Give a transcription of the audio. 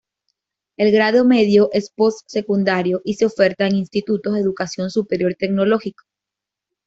El grado medio es post-secundario y se oferta en Institutos de Educación Superior Tecnológico.